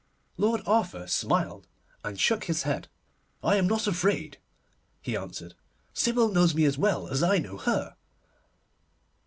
Lord Arthur smiled, and shook his head. 'I am not afraid,' he answered. 'Sybil knows me as well as I know her.